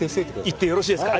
行ってよろしいですか？